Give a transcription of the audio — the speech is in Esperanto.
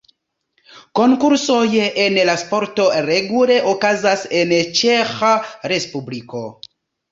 Konkursoj en la sporto regule okazas en Ĉeĥa respubliko.